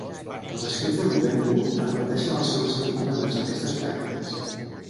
Els escrits de Kuvempu reflecteixen el seu ressentiment envers aquestes pràctiques.